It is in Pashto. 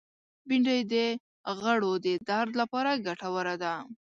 بېنډۍ د غړو د درد لپاره ګټوره ده